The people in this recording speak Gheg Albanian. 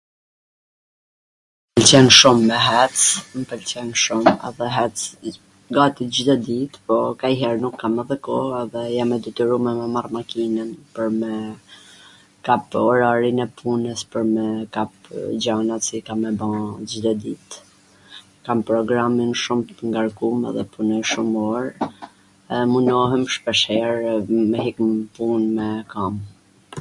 Mw pwlqen shum me ec, mw pwlqen shum edhe ec gati Cdo dit po kanjher nuk kam edhe koh edhe jam e detyrume me marr makinwn, pwr me kap orarin e punws, me kap gjanat si i kam me ba Cdo dit, kam programin shum t ngarkum edhe punoj shum or e munohem shpesh herw me hik nw pun me kam .